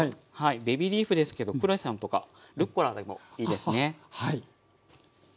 ベビーリーフですけどクレソンとかルッコラでもいいですね。